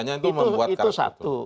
nah itu satu